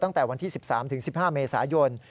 ตั้งแต่วันที่๑๓๑๕เมษายน